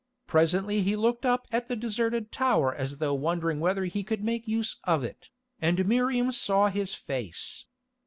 Presently he looked up at the deserted tower as though wondering whether he could make use of it, and Miriam saw his face.